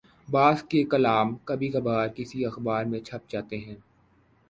بعض کے کالم کبھی کبھارکسی اخبار میں چھپ جاتے ہیں۔